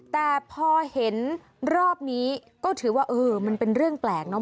แต่พอเห็นรอบนี้ก็ถือว่าเออมันเป็นเรื่องแปลกเนอะ